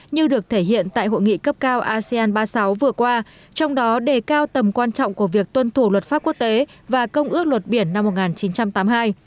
như được thể hiện tại hội nghị cấp cao asean ba mươi sáu vừa qua trong đó đề cao tầm quan trọng của việc tuân thủ luật pháp quốc tế và công ước luật biển năm một nghìn chín trăm tám mươi hai